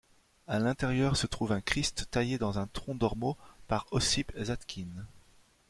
À l'intérieur se trouve un Christ taillé dans un tronc d'ormeau par Ossip Zadkine.